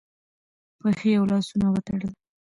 پښې او لاسونه وتړل